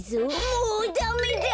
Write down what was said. もうダメだ！